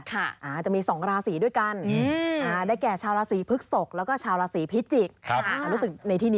ตัวจริงเสียงจริงหมอกไก่พอแล้วหมอกมักเต้นต่อได้ไหม